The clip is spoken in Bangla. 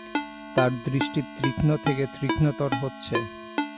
তার দৃষ্টি তীক্ষ্ণ থেকে তীক্ষ্ণতর হচ্ছে।